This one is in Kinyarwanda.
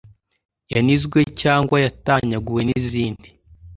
yanizwe cyangwa yatanyaguwe n’izindi